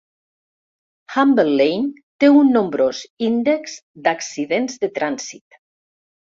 Hamble Lane té un nombrós índex d'accidents de trànsit.